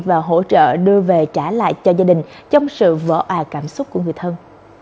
và hỗ trợ đưa về trả lại cho gia đình trong sự vỡ ải cảm xúc của người thân